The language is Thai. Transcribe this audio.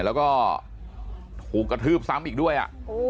แล้วก็ถูกกระทืบซ้ำอีกด้วย